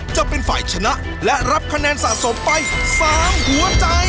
จะเป็นฝ่ายชนะและรับคะแนนสะสมไป๓หัวใจ